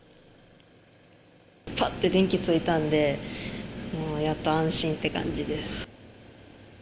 ぱって電気ついたんで、やっと安心って感じです。